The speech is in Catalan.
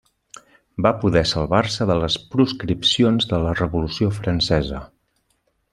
Va poder salvar-se de les proscripcions de la revolució francesa.